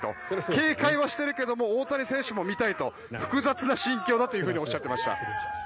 警戒はしてるけど大谷選手も見たいと複雑な心境だとおっしゃってました。